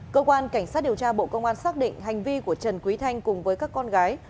cơ quan cảnh sát điều tra bộ công an xác định hành vi của trần quý thanh cùng với các con gái